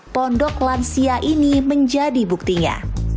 pondok lansia ini menjadi buktinya